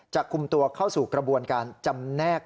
คุมตัวเข้าสู่กระบวนการจำแนก